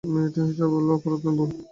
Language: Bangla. মেয়েটি হেসে বললে, অপরাধ নয়, ভুল।